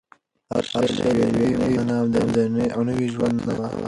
هر شی د یوې نوې مانا او نوي ژوند نښه وه.